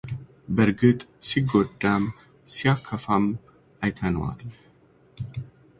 በርግጥ ሲጎዳም ሲያከፋም አይተነዋል።